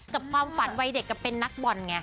กับความฝันวัยเด็กกับเป็นนักบอลไง